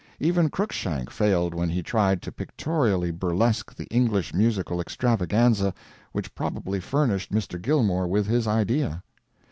Even Cruikshank failed when he tried to pictorially burlesque the English musical extravaganza which probably furnished Mr. Gilmore with his idea.